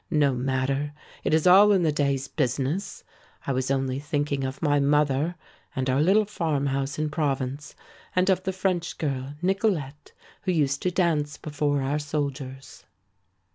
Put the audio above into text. No matter, it is all in the day's business! I was only thinking of my mother and our little farmhouse in Provence and of the French girl, Nicolete, who used to dance before our soldiers."